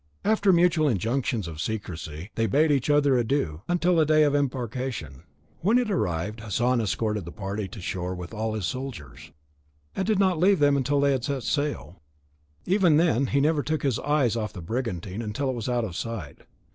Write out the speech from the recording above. After mutual injunctions of secrecy, they bade each other adieu until the day of embarkation. When it arrived, Hassan escorted the party to the shore with all his soldiers, and did not leave them until they had set sail. Even then he never took his eyes off the brigantine until it was out of sight.